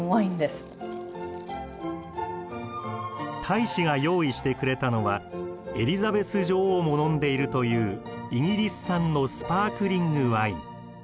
大使が用意してくれたのはエリザベス女王も飲んでいるというイギリス産のスパークリングワイン。